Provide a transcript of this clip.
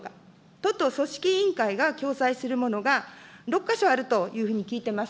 都と組織委員会が共催するものが６か所あるというふうに聞いてます。